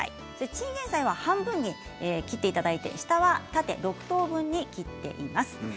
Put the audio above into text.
ちんげん菜は半分に切っていただいて下は縦６等分に切っています。